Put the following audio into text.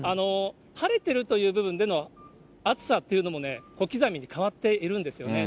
晴れてるという部分での暑さっていうのもね、小刻みに変わっているんですよね。